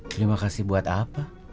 terima kasih buat apa